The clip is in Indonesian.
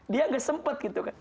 dia gak sempet gitu kan